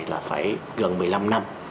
là phải gần một mươi năm năm